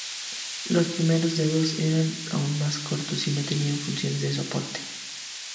Los primeros dedos eran aún más cortos y no tenían funciones de soporte.